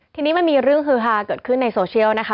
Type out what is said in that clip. ทีนี้มันมีเรื่องฮือฮาเกิดขึ้นในโซเชียลนะคะ